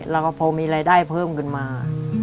เราก็พอมีรายได้เพิ่มขึ้นมา